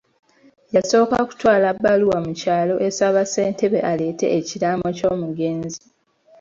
Yasooka kutwala bbaluwa mu kyalo esaba Ssentebe aleete ekiraamo ky'omugenzi.